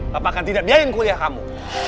papa akan tidak biayain kuliah kamu